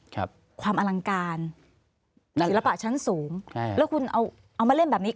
ครับความอลังการศิลปะชั้นสูงแล้วคุณเอามาเล่นแบบนี้